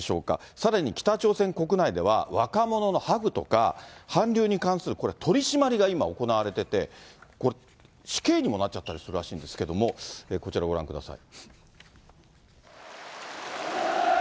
さらに北朝鮮国内では、若者のハグとか、韓流に関するこれ、取り締まりが今、行われていて、これ、死刑にもなっちゃったりするらしいんですけども、こちらご覧ください。